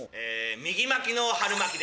右巻きの春巻きで。